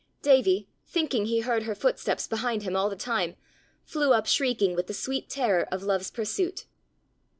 Davie, thinking he heard her footsteps behind him all the time, flew up shrieking with the sweet terror of love's pursuit.